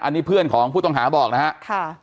อันนี้เพื่อนของผู้ต้องหาบอกนะครับ